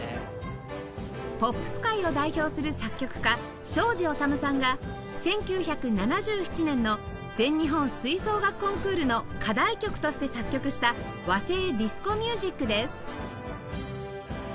ポップス界を代表する作曲家東海林修さんが１９７７年の全日本吹奏楽コンクールの課題曲として作曲した和製ディスコミュージックです